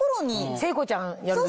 聖子ちゃんやる時？